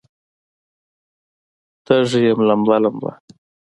تږې یم لمبه، لمبه